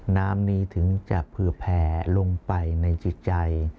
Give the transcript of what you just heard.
น้ำนี้ถึงจะเผื่อแผ่ลงไปในจิตใจ